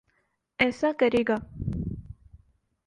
ایسا کرے گا۔